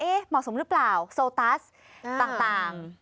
เหมาะสมหรือเปล่าโซตัสต่าง